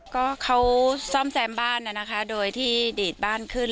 ก็เขาซ่อมแซมบ้านนะคะโดยที่ดีดบ้านขึ้น